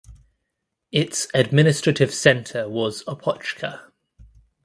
Its administrative centre was Opochka.